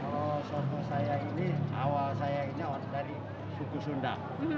kalau soto saya ini awal saya ini dari suku sunda